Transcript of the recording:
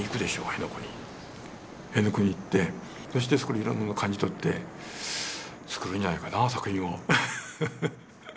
辺野古に行ってそしてそこでいろんなもの感じ取って作るんじゃないかな作品を。